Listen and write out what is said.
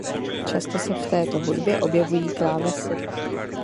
Často se v této hudbě objevují klávesy.